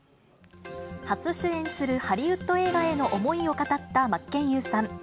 初主演するハリウッド映画への思いを語った真剣佑さん。